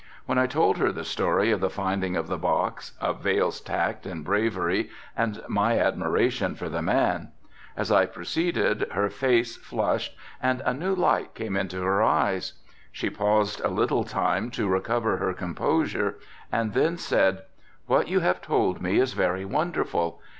Then I told her the story of the finding of the box, of Vail's tact and bravery, and my admiration for the man. As I proceeded her face flushed and a new light came into her eyes. She paused a little time to recover her composure and then said: "What you have told me is very wonderful.